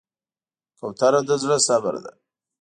کوتره د زړه صبر ده.